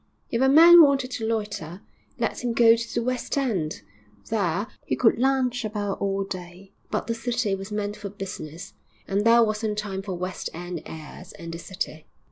If a man wanted to loiter, let him go to the West end; there he could lounge about all day. But the city was meant for business, and there wasn't time for West end airs in the city.